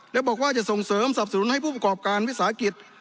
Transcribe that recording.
และบอกว่าจะส่งเสริมสับสนุนให้ผู้ประกอบการวิสาหกิจ